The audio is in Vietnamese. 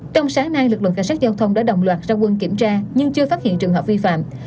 trong sáng nay lực lượng cảnh sát giao thông đã đồng loạt ra quân kiểm tra nhưng chưa phát hiện trường hợp vi phạm